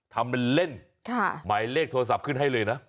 ทำเป็นเล่นหมายเลขโทรศัพท์ขึ้นให้เลยนะ